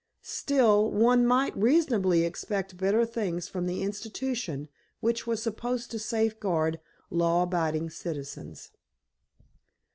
Still, one might reasonably expect better things from the institution which was supposed to safeguard law abiding citizens.